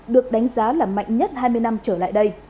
được đánh giá là mạnh nhất hai mươi năm trở lại đây